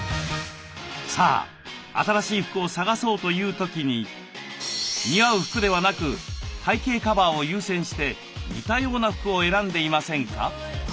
さあ新しい服を探そうという時に似合う服ではなく体型カバーを優先して似たような服を選んでいませんか？